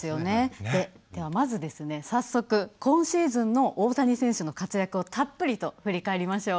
ではまず早速今シーズンの大谷選手の活躍をたっぷりと振り返りましょう。